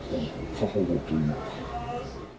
過保護というか。